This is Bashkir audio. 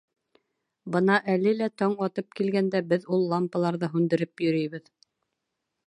Бына әле лә, таң атып килгәндә, беҙ ул лампаларҙы һүндереп йөрөйбөҙ.